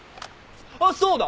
あっそうだ！